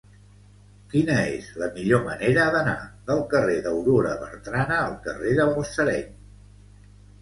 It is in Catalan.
Quina és la millor manera d'anar del carrer d'Aurora Bertrana al carrer de Balsareny?